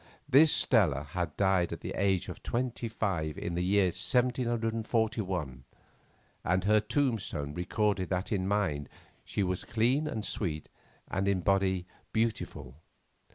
This Stella had died at the age of twenty five in the year 1741, and her tombstone recorded that in mind she was clean and sweet, and in body beautiful.